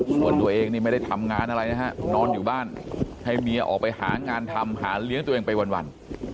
ส่วนตัวเองนี่ไม่ได้ทำงานอะไรนะฮะนอนอยู่บ้านให้เมียออกไปหางานทำหาเลี้ยงตัวเองไปวัน